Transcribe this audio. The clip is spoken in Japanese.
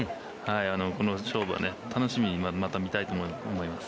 この勝負は楽しみに見たいと思います。